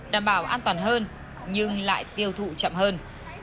đảm bảo an toàn hơn nhưng lại tiêu thụ chậm hơn